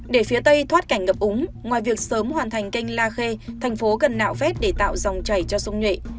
để phía tây thoát cảnh ngập úng ngoài việc sớm hoàn thành kênh la khê thành phố cần nạo vét để tạo dòng chảy cho sông nhuệ